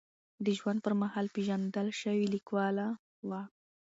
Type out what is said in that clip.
د ژوند پر مهال پېژندل شوې لیکواله وه.